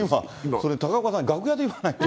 それ、高岡さん、楽屋で言わないと。